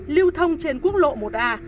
lưu thông trên quốc lộ một a